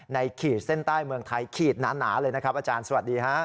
ขีดเส้นใต้เมืองไทยขีดหนาเลยนะครับอาจารย์สวัสดีฮะ